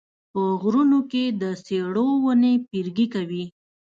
په غرونو کې د څېړو ونې پیرګي کوي